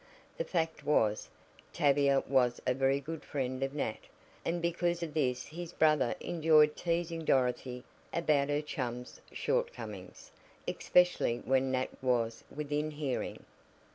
The fact was, Tavia was a very good friend of Nat, and because of this his brother enjoyed teasing Dorothy about her chum's shortcomings, especially when Nat was within hearing.